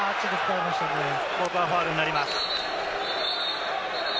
ここはファウルになります。